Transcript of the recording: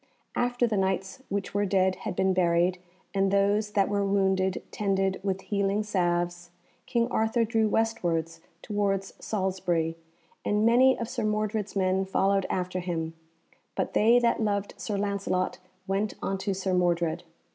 After the Knights which were dead had been buried, and those that were wounded tended with healing salves, King Arthur drew westwards towards Salisbury, and many of Sir Mordred's men followed after him, but they that loved Sir Lancelot went unto Sir Mordred.